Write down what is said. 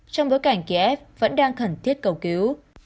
trong bối cảnh kiev vẫn đang khẩn thiết cầu cứu